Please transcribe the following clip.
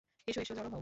এসো, এসো, জড়ো হও।